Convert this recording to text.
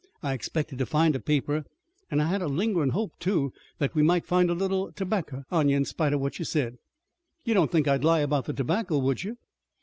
"I'd expected to find a paper, an' I had a lingerin' hope, too, that we might find a little terbacker on you 'spite of what you said." "You don't think I'd lie about the tobacco, would you?"